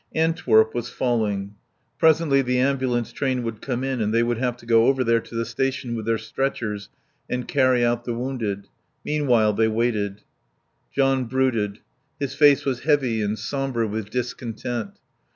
Antwerp was falling. Presently the ambulance train would come in and they would have to go over there to the station with their stretchers and carry out the wounded. Meanwhile they waited. John brooded. His face was heavy and sombre with discontent.